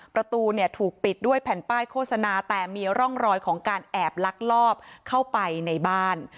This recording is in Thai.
ประตูเนี่ยถูกปิดด้วยแผ่นป้ายโฆษณาแต่มีร่องรอยของการแอบลักลอบเข้าไปในบ้าน